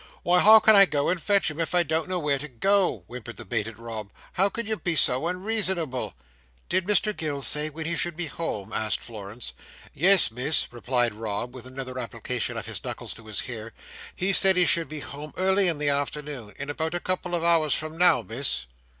"Why how can I go and fetch him when I don't know where to go?" whimpered the baited Rob. "How can you be so unreasonable?" "Did Mr Gills say when he should be home?" asked Florence. "Yes, Miss," replied Rob, with another application of his knuckles to his hair. "He said he should be home early in the afternoon; in about a couple of hours from now, Miss."